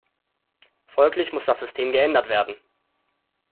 Folglich muss das System geändert werden.